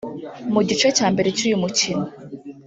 Mu gice cya mbere cy’uyu mukino